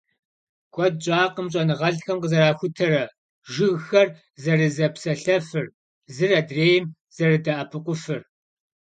Куэд щӀакъым щӀэныгъэлӀхэм къызэрахутэрэ - жыгхэр «зэрызэпсалъэфыр», зыр адрейм зэрыдэӀэпыкъуфыр.